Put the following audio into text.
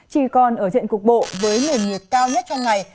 chỉ còn ở diện cục bộ với nền nhiệt cao nhất trong ngày